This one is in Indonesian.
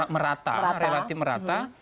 merata relatif merata